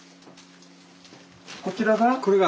こちらが？